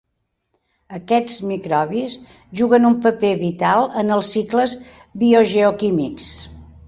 Aquests microbis juguen un paper vital en els cicles biogeoquímics.